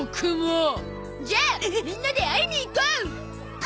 じゃあみんなで会いに行こう！